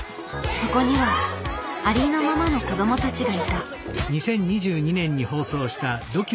そこにはありのままの子どもたちがいた。